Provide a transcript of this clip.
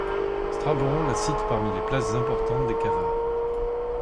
Strabon la cite parmi les places importantes des Cavares.